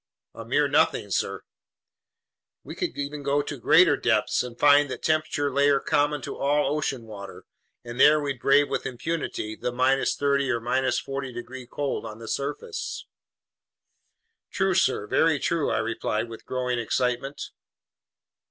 "A mere nothing, sir." "We could even go to greater depths and find that temperature layer common to all ocean water, and there we'd brave with impunity the 30 degrees or 40 degrees cold on the surface." "True, sir, very true," I replied with growing excitement.